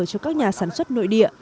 cho các nhà sản xuất nội địa